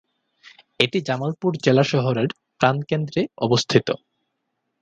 এটি জামালপুর জেলা শহরের প্রাণকেন্দ্রে অবস্থিত।